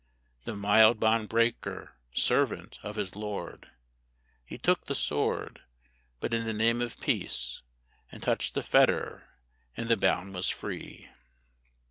"The mild bond breaker, servant of his Lord, He took the sword, but in the name of Peace, And touched the fetter, and the bound was free.